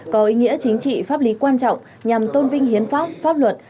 có ý nghĩa chính trị pháp lý quan trọng nhằm tôn vinh hiến pháp pháp luật